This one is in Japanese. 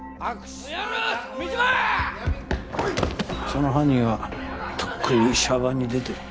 その犯人はとっくにシャバに出てる。